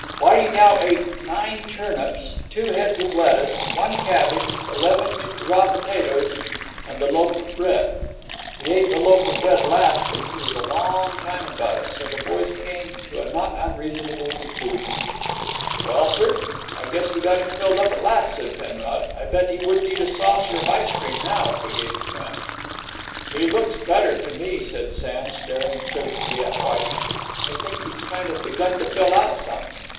Whitey now ate nine turnips, two heads of lettuce, one cabbage, eleven raw potatoes, and the loaf of bread. He ate the loaf of bread last and he was a long time about it; so the boys came to a not unreasonable conclusion. "Well, sir, I guess we got him filled up at last!" said Penrod. "I bet he wouldn't eat a saucer of ice cream now, if we'd give it to him!" "He looks better to me," said Sam, staring critically at Whitey. "I think he's kind of begun to fill out some.